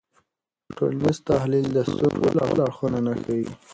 ټولنیز تحلیل د ستونزو ټول اړخونه نه ښيي.